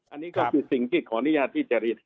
อันนี้ก็คือสิ่งที่ขออนุญาตที่จะเรียน